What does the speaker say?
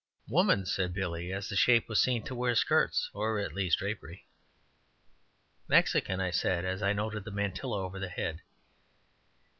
"Woman," said Billy, as the shape was seen to wear skirts, or at least drapery. "Mexican," said I, as I noted the mantilla over the head.